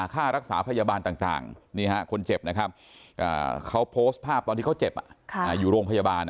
ค่ารักษาพยาบาลต่างนี่ฮะคนเจ็บนะครับเขาโพสต์ภาพตอนที่เขาเจ็บอยู่โรงพยาบาล